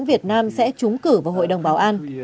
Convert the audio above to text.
việt nam sẽ trúng cử vào hội đồng bảo an